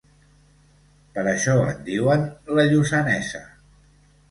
Per això en diuen ‘la Lluçanesa’.